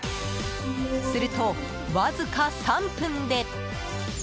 すると、わずか３分で。